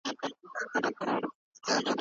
ځیني خلګ ورته مشاور وايي او ځیني یې مشر بولي.